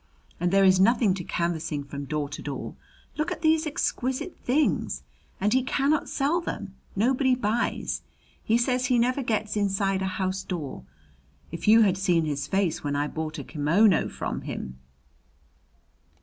"And there is nothing to canvassing from door to door. Look at these exquisite things! and he cannot sell them. Nobody buys. He says he never gets inside a house door. If you had seen his face when I bought a kimono from him!"